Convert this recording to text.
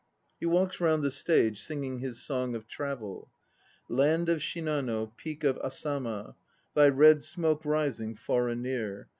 (He walks round the stage singing his song of travel.) Land of Shinano, Peak of Asama, Thy red smoke rising far and near!